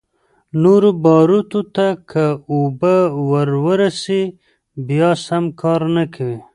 نورو باروتو ته که اوبه ورورسي بيا سم کار نه کوي.